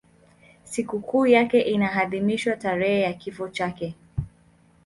Sikukuu yake inaadhimishwa tarehe ya kifo chake.